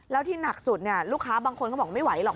แล้วที่หนักสุดลูกค้าบางคนเขาบอกไม่ไหวหรอก